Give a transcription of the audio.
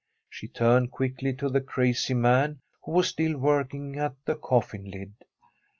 She turned quickly to the crazy man, who was still working at the coffin lid.